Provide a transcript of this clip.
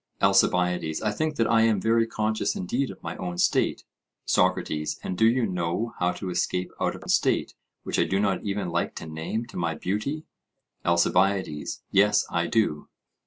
ALCIBIADES: I think that I am very conscious indeed of my own state. SOCRATES: And do you know how to escape out of a state which I do not even like to name to my beauty? ALCIBIADES: Yes, I do.